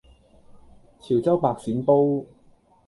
潮州白鱔煲